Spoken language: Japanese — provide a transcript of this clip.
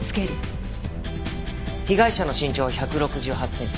被害者の身長は１６８センチ。